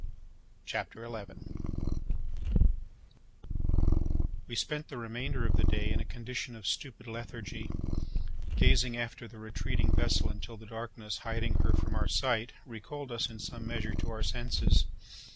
CHAPTER 11 We spent the remainder of the day in a condition of stupid lethargy, gazing after the retreating vessel until the darkness, hiding her from our sight, recalled us in some measure to our senses.